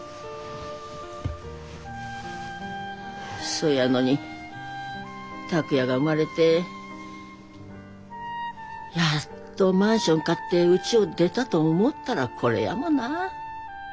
そやのに拓也が生まれてやっとマンション買ってうちを出たと思ったらこれやもなあ。